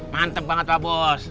mantep banget pak bos